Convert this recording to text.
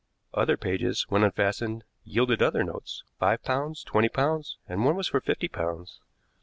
Other pages, when unfastened, yielded other notes five pounds, twenty pounds, and one was for fifty pounds.